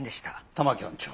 玉城班長。